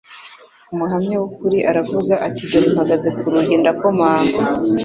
Umuhamya w'ukuri aravuga ati: «Dore mpagaze ku rugi ndakomanga.”